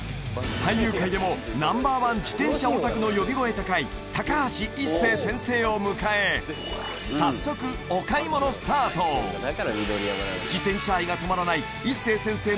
俳優界でもＮｏ．１自転車オタクの呼び声高い高橋一生先生を迎え早速お買い物スタートとは？